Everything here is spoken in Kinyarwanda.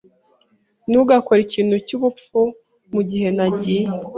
Ntugakore ikintu cyubupfu mugihe nagiye.